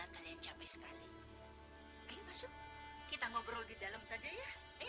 sampai jumpa di video selanjutnya